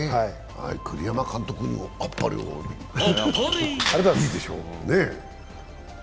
栗山監督にもあっぱれをあげていいでしょう。